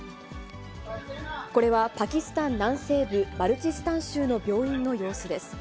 これはパキスタン南西部バルチスタン州の病院の様子です。